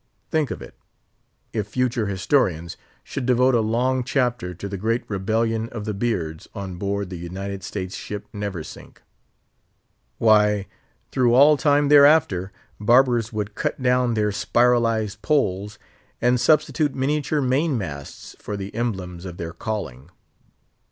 Think of it, if future historians should devote a long chapter to the great Rebellion of the Beards on board the United States ship Neversink. Why, through all time thereafter, barbers would cut down their spiralised poles, and substitute miniature main masts for the emblems of their calling.